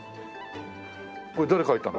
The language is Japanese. これ誰描いたの？